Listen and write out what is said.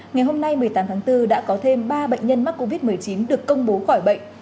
ngày hôm nay một mươi tám tháng bốn đã có thêm ba bệnh nhân mắc covid một mươi chín được công bố khỏi bệnh